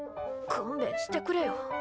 勘弁してくれよ。